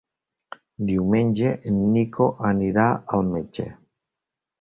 Diumenge en Nico anirà al metge.